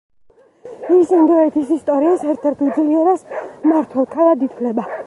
ის ინდოეთის ისტორიის ერთ-ერთ უძლიერეს მმართველ ქალად ითვლება.